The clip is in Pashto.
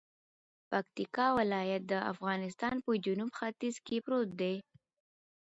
پکتیکا ولایت دافغانستان په جنوب ختیځ کې پروت دی